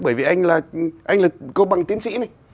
bởi vì anh là anh là có bằng tiến sĩ này